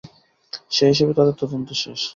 সে হিসেবে তাঁদের তদন্ত শেষ।